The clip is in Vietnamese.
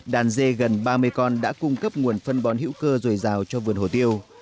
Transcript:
đàn dê gần ba mươi con đã cung cấp nguồn phân bón hữu cơ dồi dào cho vườn hồ tiêu